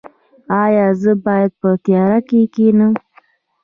ایا زه باید په تیاره کې کینم؟